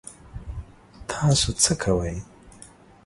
تاسو څه کوئ؟